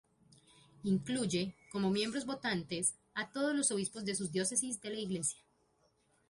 Incluye, como miembros votantes, a todos los Obispos de sus Diócesis de la Iglesia.